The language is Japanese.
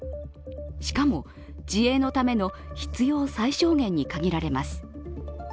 しかも自衛のための必要最小限に限られます。